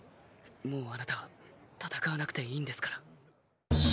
もうあなたは戦わなくていいんですから。